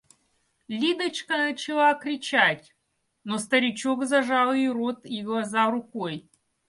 Лидочка начала кричать, но старичок зажал ей рот и глаза рукой.